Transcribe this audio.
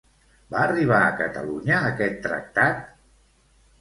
Va arribar a Catalunya aquest tractat?